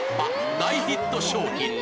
大ヒット商品に